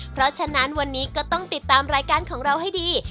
เพราะฉะนั้นวันนี้ก็ต้องติดตามรายการของเราให้ดี